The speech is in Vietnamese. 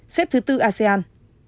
xếp thứ bốn asean